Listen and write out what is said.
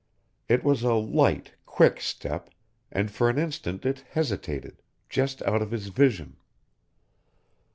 It was a light, quick step, and for an instant it hesitated, just out of his vision.